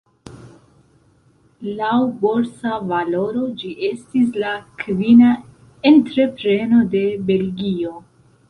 Laŭ borsa valoro ĝi estis la kvina entrepreno de Belgio.